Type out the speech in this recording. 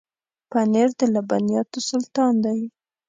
پنېر د لبنیاتو سلطان دی.